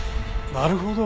なるほど！